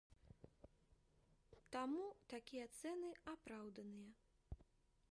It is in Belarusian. Таму такія цэны апраўданыя.